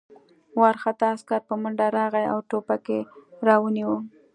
وارخطا عسکر په منډه راغی او ټوپک یې را ونیاوه